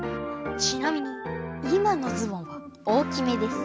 ちなみに今のズボンは大きめです。